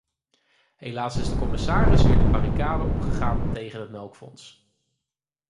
Helaas is de commissaris weer de barricaden opgegaan tegen het melkfonds.